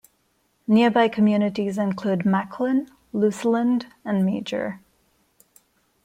Nearby communities include Macklin, Luseland and Major.